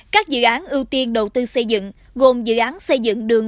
các dự án ưu tiên đầu tư xây dựng gồm dự án xây dựng đường